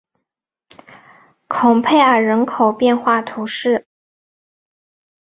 孔佩尔人口变化图示